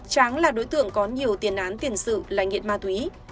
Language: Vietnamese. tráng là đối tượng có nhiều tiền án tiền sự là nghiện ma túy